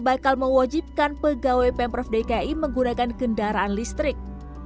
bakal mewajibkan pegawai pemprov dki menggunakan kendaraan listrik